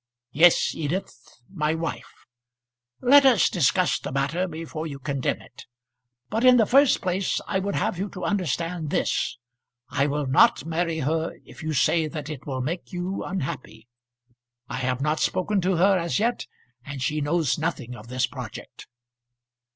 "Yes, Edith, my wife. Let us discuss the matter before you condemn it. But in the first place I would have you to understand this I will not marry her if you say that it will make you unhappy. I have not spoken to her as yet, and she knows nothing of this project."